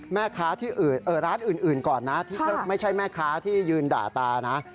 แม่ค้าที่อื่นร้านอื่นก่อนนะที่ไม่ใช่แม่ค้าที่ยืนด่าตานะ